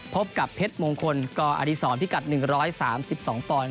พบกับเพชรมงคลกอดีศรพิกัด๑๓๒ปอนด